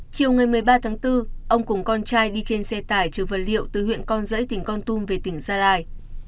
chiều ngày một mươi ba tháng bốn ông cùng con trai đi trên xe tải chứa vật liệu từ huyện con rẫy tỉnh con tum về tỉnh gia lai